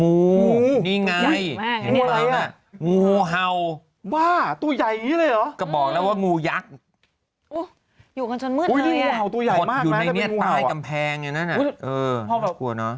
อุ๊ยอยู่กันจนมืดเลยน่ะอยู่ในนี้ปลายกำแพงอยู่นั้นไม่ต้องกลัวเนอะ